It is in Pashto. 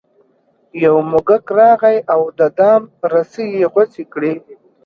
یو موږک راغی او د دام رسۍ یې غوڅې کړې.